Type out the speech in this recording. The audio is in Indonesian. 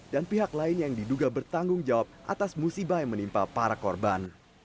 dan pihak lain yang diduga bertanggung jawab atas musibah yang menimpa para korban